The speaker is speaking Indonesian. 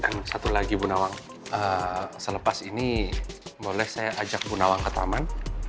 dan satu lagi bunawang selepas ini boleh saya ajak bunawang ke taman